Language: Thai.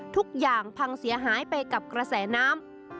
ทุกอย่างพังเสียหายไปกับกระแสน้ำ